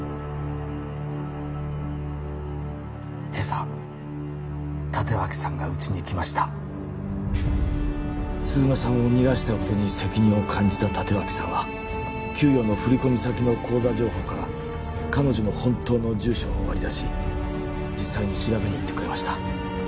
今朝立脇さんがうちに来ました鈴間さんを逃がしたことに責任を感じた立脇さんは給与の振り込み先の口座情報から彼女の本当の住所を割り出し実際に調べに行ってくれました